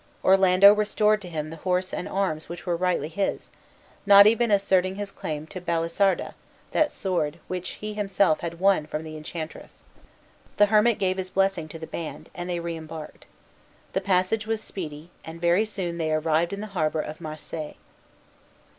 Orlando restored to him the horse and arms which were rightly his, not even asserting his claim to Balisarda, that sword which he himself had won from the enchantress. The hermit gave his blessing to the band, and they reembarked. The passage was speedy, and very soon they arrived in the harbor of Marseilles.